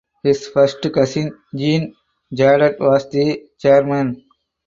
His first cousin Jean Jadot was the chairman.